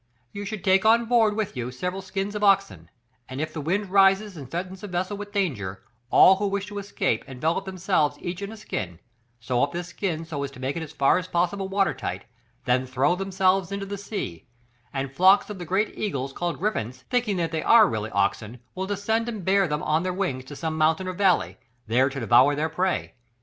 "You should take on board with you several skins of oxen, and, if the wind rises and threatens the vessel with danger, all who wish to escape envelope themselves each in a skin, sew up this skin so as to make it as far as possible water tight, then throw themselves into the sea, and flocks of the great eagles called griffins, thinking that they are really oxen, will descend and bear them on their wings to some mountain or valley, there to devour their prey.